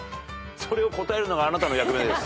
それを答えるのがあなたの役目です。